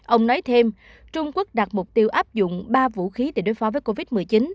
ông nói thêm trung quốc đạt mục tiêu áp dụng ba vũ khí để đối phó với covid một mươi chín